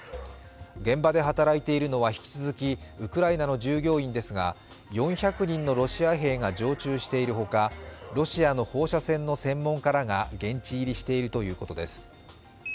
現場で働いているのは引き続きウクライナの従業員ですが、４００人のロシア兵が常駐しているほかロシアの放射線の専門家らが現地入りしているということです。